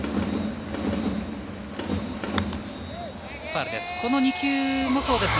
ファウルです。